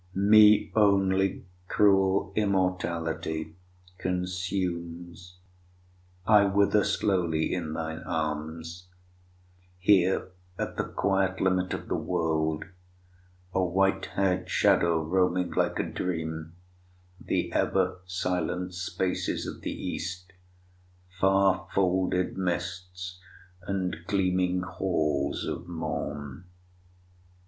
Me only cruel immortality Consumes: I wither slowly in thine arms, Here at the quiet limit of the world, A white hair'd shadow roaming like a dream The ever silent spaces of the East, Far folded mists, and gleaming halls of morn.